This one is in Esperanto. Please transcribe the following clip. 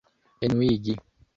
enuigi